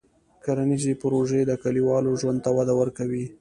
کرنيزې پروژې د کلیوالو ژوند ته وده ورکوي.